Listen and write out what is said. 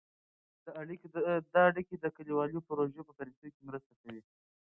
دا اړیکې د کلیوالو پروژو په بریالیتوب کې مرسته کوي.